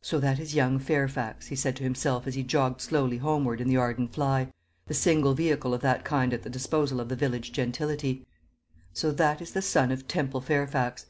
"So that is young Fairfax," he said to himself as he jogged slowly homeward in the Arden fly, the single vehicle of that kind at the disposal of the village gentility; "so that is the son of Temple Fairfax.